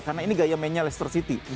karena ini gaya mainnya leicester city